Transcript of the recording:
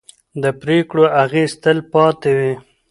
د پرېکړو اغېز تل پاتې وي